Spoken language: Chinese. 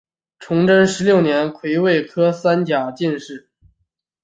崇祯十六年癸未科三甲进士。